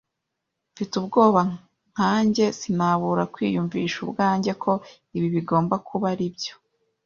Mfite ubwoba nkanjye, sinabura kwiyumvisha ubwanjye ko ibi bigomba kuba aribyo